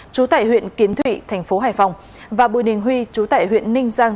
trú tại huyện kiến thụy thành phố hải phòng và bùi đình huy chú tại huyện ninh giang